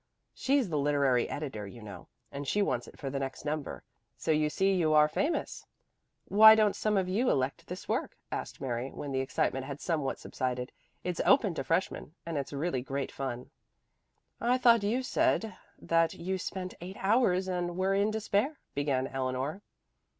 She's the literary editor, you know, and she wants it for the next number. So you see you are famous. "Why don't some of you elect this work?" asked Mary, when the excitement had somewhat subsided. "It's open to freshmen, and it's really great fun." "I thought you said that you spent eight hours and were in despair " began Eleanor.